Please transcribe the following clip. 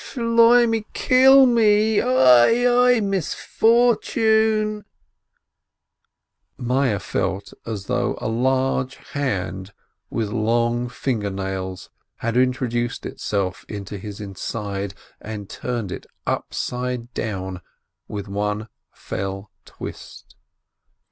Shloimeh ! kill me ! oi, oi, misfortune !" Meyerl felt as though a large hand with long finger nails had introduced itself into his inside, and turned it upside down with one fell twist.